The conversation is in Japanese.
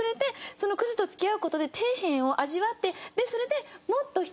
そのクズと付き合う事で底辺を味わって。